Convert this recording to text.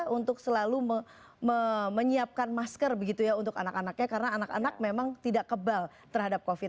untuk selalu menyiapkan masker begitu ya untuk anak anaknya karena anak anak memang tidak kebal terhadap covid sembilan